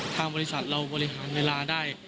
ทางบริษัทเราบริหารเวลาได้